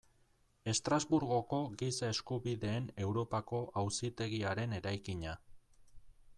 Estrasburgoko Giza Eskubideen Europako Auzitegiaren eraikina.